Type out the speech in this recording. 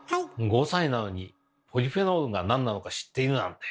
５歳なのにポリフェノールが何なのか知っているなんて。